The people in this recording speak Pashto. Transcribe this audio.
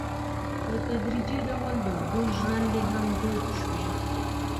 په تدریجي ډول د اوبو ژرندې هم دود شوې.